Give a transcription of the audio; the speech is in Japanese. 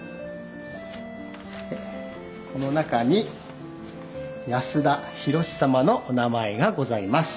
でこの中に安田弘史様のお名前がございます。